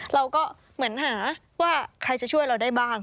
เราก็เหมือนหาว่าใครจะช่วยเราได้บ้าง